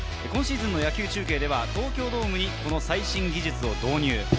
今シーズンの野球中継では東京ドームにこの最新技術を導入。